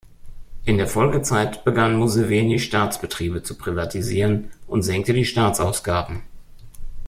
In der Folgezeit begann Museveni Staatsbetriebe zu privatisieren und senkte die Staatsausgaben.